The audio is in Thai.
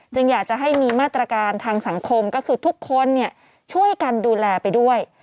อยากจะให้มีมาตรการทางสังคมก็คือทุกคนช่วยกันดูแลไปด้วย